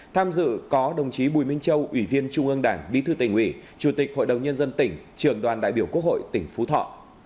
tham dự có đồng chí bùi minh châu ủy viên trung ương đảng bí thư tỉnh ủy chủ tịch hội đồng nhân dân tỉnh trường đoàn đại biểu quốc hội tỉnh phú thọ